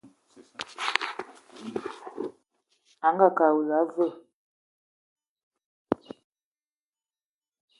Angakë awula a veu?